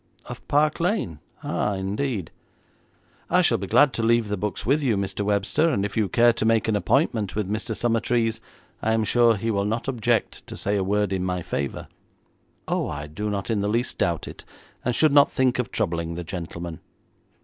'Of Park Lane? Ah, indeed.' 'I shall be glad to leave the books with you, Mr. Webster, and if you care to make an appointment with Mr. Summertrees, I am sure he will not object to say a word in my favour.' 'Oh, I do not in the least doubt it, and should not think of troubling the gentleman.'